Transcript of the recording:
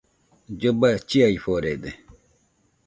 Lloba chiaforede